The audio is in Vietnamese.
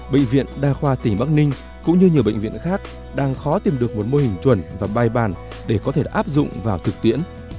bệnh viện đa khoa tỉnh bắc ninh cũng như nhiều bệnh viện khác đang khó tìm được một mô hình chuẩn và bài bàn để có thể áp dụng vào thực tiễn